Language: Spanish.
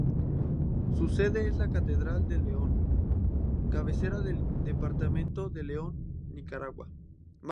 Su sede es la Catedral de León, cabecera del departamento de León, Nicaragua.